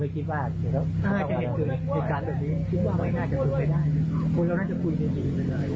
แบบนี้คิดว่าไม่น่าจะรู้ได้คุณก็น่าจะคุยดีไปเลย